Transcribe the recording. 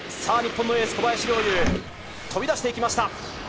日本のエース・小林陵侑、飛び出していきました。